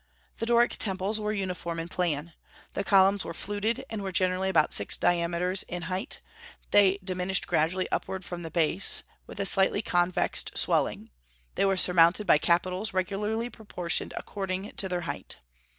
The Doric temples were uniform in plan. The columns were fluted, and were generally about six diameters in height; they diminished gradually upward from the base, with a slightly con vexed swelling; they were surmounted by capitals regularly proportioned according to their height.